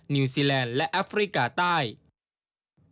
นิวซีแลนด์และอาฟริกาไปแล้ว